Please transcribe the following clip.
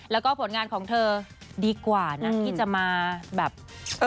แล้วก็ผลงานของเธอดีกว่านะที่จะมาแบบมองพวกนี้